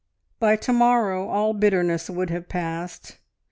By to morrow all bitterness would have passed.